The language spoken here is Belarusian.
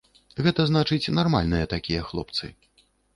Гэта значыць нармальныя такія хлопцы.